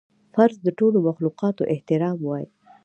فرض د ټولو مخلوقاتو احترام وای